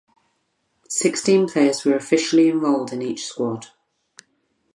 Sixteen players were officially enrolled in each squad.